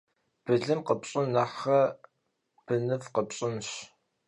Bılım khıpş'ın nexhre bınıf' khıpş'ın.